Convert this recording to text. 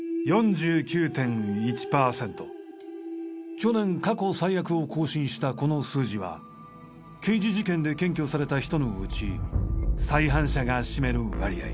去年過去最悪を更新したこの数字は刑事事件で検挙された人のうち再犯者が占める割合。